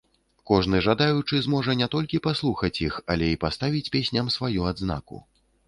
Кожны жадаючы зможа не толькі паслухаць іх, але і паставіць песням сваю адзнаку.